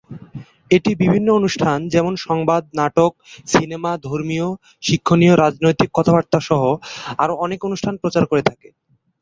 এটি বিভিন্ন অনুষ্ঠান যেমন সংবাদ, নাটক, সিনেমা, ধর্মীয়, শিক্ষণীয়, রাজনৈতিক কাথা-বার্তা সহ আরো অনেক অনুষ্ঠান প্রচার করে থাকে।